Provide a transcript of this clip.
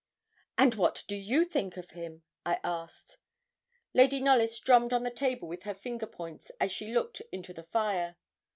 'And what do you think of him?' I asked. Lady Knollys drummed on the table with her finger points as she looked into the fire.